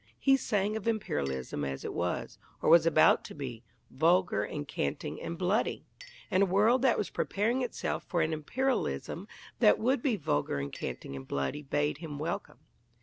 He sang of Imperialism as it was, or was about to be vulgar and canting and bloody and a world that was preparing itself for an Imperialism that would be vulgar and canting and bloody bade him welcome.